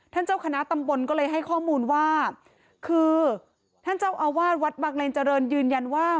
เจ้าคณะตำบลก็เลยให้ข้อมูลว่าคือท่านเจ้าอาวาสวัดบังเลนเจริญยืนยันว่า